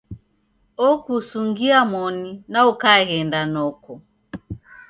Okusungia moni, na ukaghenda noko.